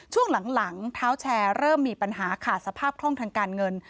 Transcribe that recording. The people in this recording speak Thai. ช่วงหลังเท้าแชร์เริ่มมีปัญหาขาดสภาพคล่องทางการเงิน